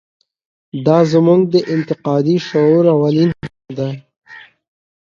دا زموږ د انتقادي شعور اولین خنډ دی.